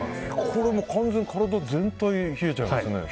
これ、完全に体全体が冷えちゃいますね。